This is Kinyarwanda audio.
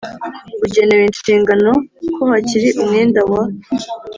Ugenewe inshingano ko hakiri umwenda wa